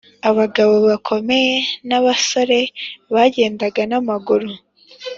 . Abagabo bakomeye n’abasore bagendaga n’amaguru